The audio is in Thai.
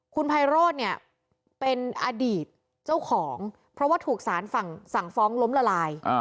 คุณไพโรธเนี่ยเป็นอดีตเจ้าของเพราะว่าถูกสารสั่งฟ้องล้มละลาย